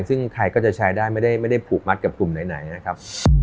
ซึ่งไทยก็จะใช้ได้ไม่ได้ผูกมัดกับกลุ่มไหนนะครับ